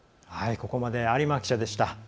ここまで有馬記者でした。